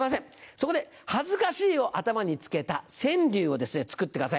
そこで「恥ずかしい」を頭に付けた川柳を作ってください。